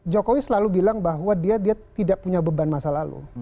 jokowi selalu bilang bahwa dia tidak punya beban masa lalu